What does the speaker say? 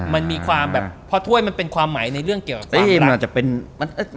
มันมีความแบบเพราะถ้วยมันเป็นความหมายในเรื่องเกี่ยวกับความรัก